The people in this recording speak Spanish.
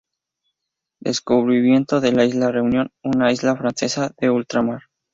Descubrimiento de la isla Reunión, una isla francesa de ultramar.